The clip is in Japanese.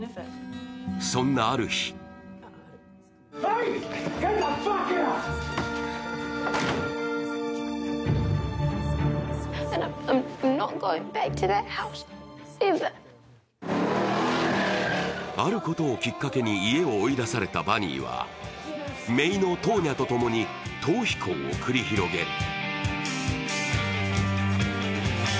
そんなある日あることをきっかけに家を追い出されたバニーはめいのトーニャとともに逃避行を繰り広げる。